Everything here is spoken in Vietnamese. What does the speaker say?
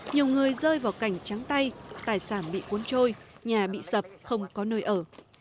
nhiều người rơi vào cảnh trắng tay tài sản bị cuốn trôi nhà bị sập không có nơi ở